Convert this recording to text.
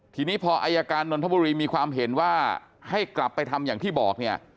ทีนี้พออายการนนทบุรีมีความเห็นว่าให้กลับไปทำอย่างที่บอกเนี่ย